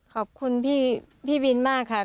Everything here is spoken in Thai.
ขอบคุณพี่บินมากค่ะ